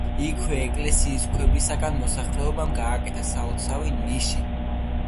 იქვე, ეკლესიის ქვებისაგან მოსახლეობამ გააკეთა სალოცავი ნიში.